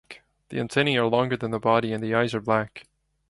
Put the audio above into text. The antennae are longer than the body and the eyes are black.